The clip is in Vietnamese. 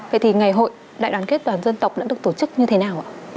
vậy thì ngày hội đại đoàn kết toàn dân tộc đã được tổ chức như thế nào ạ